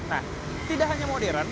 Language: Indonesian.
nah tidak hanya modern